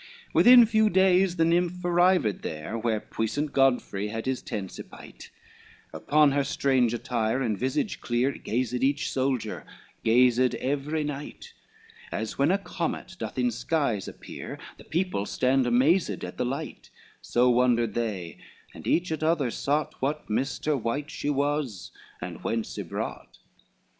XXVIII Within few days the nymph arrived there Where puissant Godfrey had his tents ypight; Upon her strange attire, and visage clear, Gazed each soldier, gazed every knight: As when a comet doth in skies appear, The people stand amazed at the light; So wondered they and each at other sought, What mister wight she was, and whence ybrought.